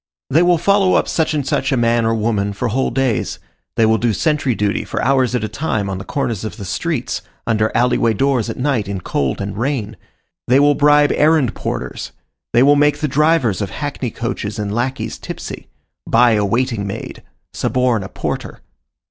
They will follow up such and such a man or woman for whole days; they will do sentry duty for hours at a time on the corners of the streets, under alley way doors at night, in cold and rain; they will bribe errand porters, they will make the drivers of hackney coaches and lackeys tipsy, buy a waiting maid, suborn a porter.